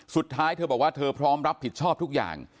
สุดท้ายเธอบอกว่าเธอพร้อมรับผิดชอบทุกอย่าง